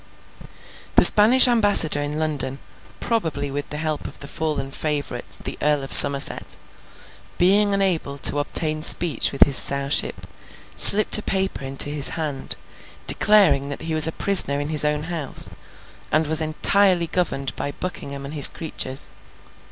The Spanish ambassador in London—probably with the help of the fallen favourite, the Earl of Somerset—being unable to obtain speech with his Sowship, slipped a paper into his hand, declaring that he was a prisoner in his own house, and was entirely governed by Buckingham and his creatures.